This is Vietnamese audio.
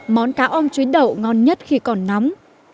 món cá ôm chuối đậu ngon nhất khi còn nóng